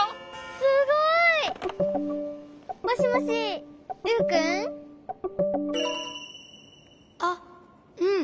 すごい！もしもしユウくん？あっうん。